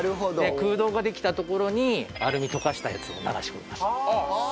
空洞ができたところにアルミ溶かしたやつを流し込みます。